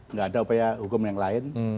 nggak ada upaya hukum yang lain